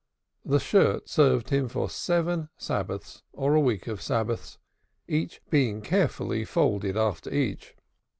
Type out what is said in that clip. The shirt served him for seven Sabbaths, or a week of Sabbaths, being carefully folded after each.